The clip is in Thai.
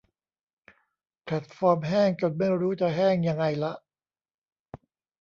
แพลตฟอร์มแห้งจนไม่รู้จะแห้งยังไงละ